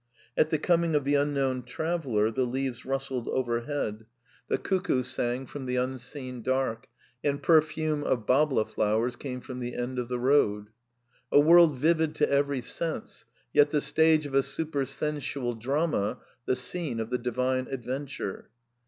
At the coming of the Unknown Traveller "the leaves rustled overhead; the 276 A DEFENCE OF IDEALISM cuckoo sang from the unseen dark, and perfume of bahla flowers came from the end of the road." A world vivid to ^j every sense, yet the stage of a supersensual drama, the Bceugr | of the divine adventure.